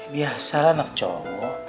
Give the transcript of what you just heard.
biasalah anak cowok